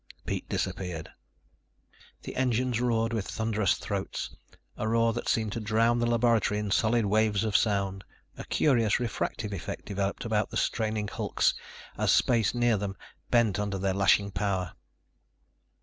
Pete disappeared. The engines roared with thunderous throats, a roar that seemed to drown the laboratory in solid waves of sound. A curious refractive effect developed about the straining hulks as space near them bent under their lashing power.